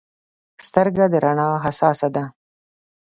سترګه د رڼا حساسه ده.